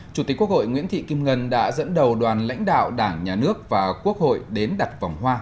chủ tịch quốc hội nguyễn thị kim ngân đã dẫn đầu đoàn lãnh đạo đảng nhà nước và quốc hội đến đặt vòng hoa